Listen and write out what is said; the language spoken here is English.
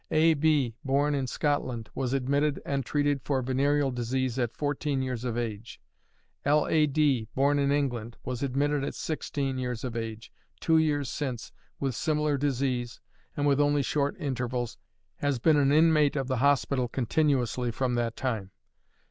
A. B., born in Scotland, was admitted and treated for venereal disease at fourteen years of age. L. A. D., born in England, was admitted at sixteen years of age, two years since, with similar disease, and, with only short intervals, has been an inmate of the hospital continuously from that time.